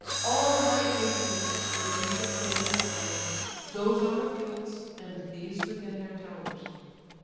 All night they feast, the Greek and Trojan powers: Those on the fields, and these within their towers.